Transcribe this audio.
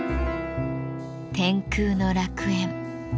天空の楽園。